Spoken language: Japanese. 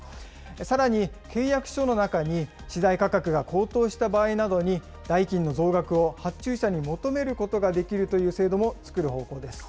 さらに、契約書の中に資材価格が高騰した場合などに代金の増額を発注者に求めることができるという制度も作る方向です。